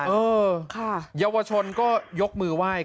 เออเยาวชนก็ยกมือไหว้